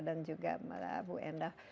dan juga mbak bu endah